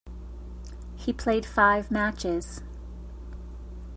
He played five matches.